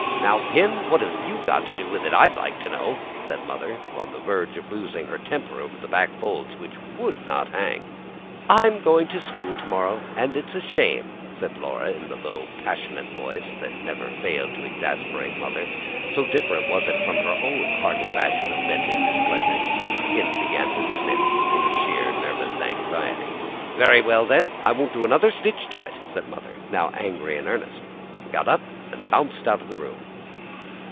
"Now, Pin, what have you got to do with it I'd like to know!" said Mother, on the verge of losing her temper over the back folds, which WOULD not hang. "I'm going to school to morrow, and it's a shame," said Laura in the low, passionate tone that never failed to exasperate Mother, so different was it from her own hearty fashion of venting displeasure. Pin began to sniff, in sheer nervous anxiety. "Very well then, I won't do another stitch to it!" and Mother, now angry in earnest, got up and bounced out of the room.